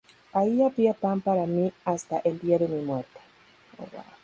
Ahí habría pan para mí hasta el día de mi muerte.